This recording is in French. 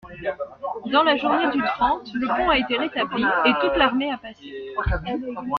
Dans la journée du trente, le pont a été rétabli et toute l'armée a passé.